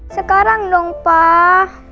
sekarang dong pak